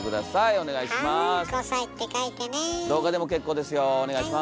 お願いします。